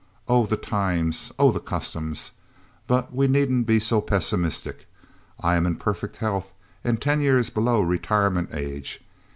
'O, the times! O, the customs!' But we needn't be so pessimistic. I am in perfect health and ten years below retirement age.